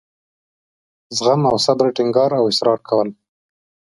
زغم او صبر ټینګار او اصرار کول.